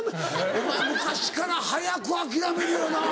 お前昔から早く諦めるよなぁ。